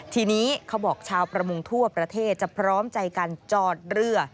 ทีนี้เขาบอกชาวประมงทั่วประเทศจะพร้อมใจกันจอดเรือ